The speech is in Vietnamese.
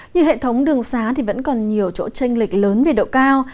như hệ thống đường xá thì vẫn còn nhiều chỗ tranh lệch lớn về độ cao